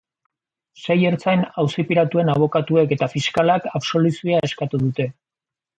Sei ertzain auziperatuen abogatuek eta fiskalak absoluzioa eskatu dute.